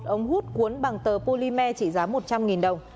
một ống hút cuốn bằng tờ polymer chỉ giá một trăm linh đồng